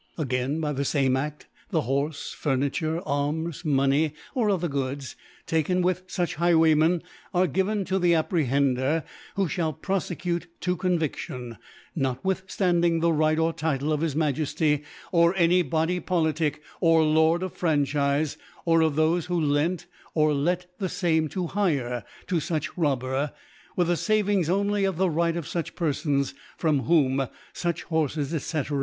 Again, by the fame Aft the Horfe, Furniture, Arms, Money, or other Goods, taken with fuch Highwaymen, arc given to the Apprehendcr who (hail profecute to Conviftion, notwithftanding the Right or Title of his Majefly, any Body Politic or Lord of Fwnchilc, or of thofc who lent or * Chap. 8. ubifupra. let . ('57) let the feme to hire to fuch Robber, with a faving only of the Right of fuch Perfons from whom fuch Horfes, tfr.